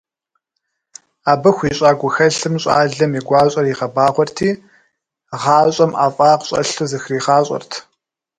Абы хуищӏа гухэлъым щӏалэм и гуащӏэр игъэбагъуэрти, гъащӏэм ӏэфӏагъ щӏэлъу зыхригъащӏэрт.